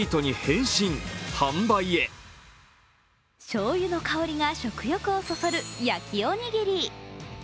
しょうゆの香りが食欲をそそる焼きおにぎり。